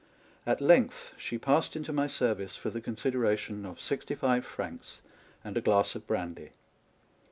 ^Vt length slie passed into my service for tlie consideration of sixty five francs and a glass of brandy.